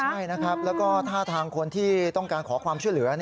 ใช่นะครับแล้วก็ท่าทางคนที่ต้องการขอความช่วยเหลือ